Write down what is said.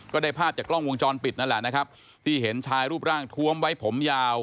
ได้ภาพจากกล้องวงจรปิดนั่นแหละนะครับที่เห็นชายรูปร่างทวมไว้ผมยาว